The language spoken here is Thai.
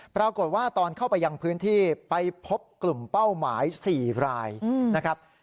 ปรากฏว่าตอนเข้าไปยังพื้นที่ไปพบกลุ่มเป้าหมาย๔รายนะครับ